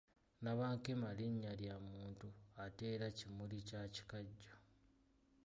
Nabankema Linnya lya muntu ate era kimuli kya kikajjo.